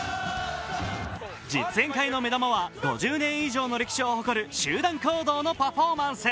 実演会の目玉は５０年以上の歴史を誇る集団行動のパフォーマンス。